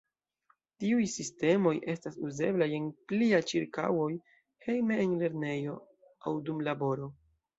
Tiuj sistemoj estas uzeblaj en plia ĉirkaŭoj, hejme, en lernejo, aŭ dum laboro.